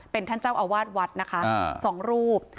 เป็นท่านเจ้าอาวาสวัดนะคะ๒รูป